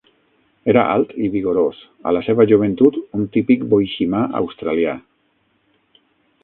Era alt i vigorós, a la seva joventut un típic boiximà australià.